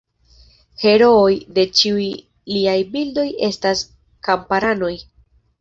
Herooj de ĉiuj liaj bildoj estas kamparanoj.